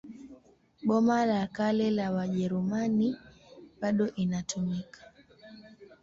Boma la Kale la Wajerumani bado inatumika.